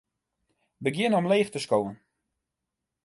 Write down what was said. Begjin omleech te skowen.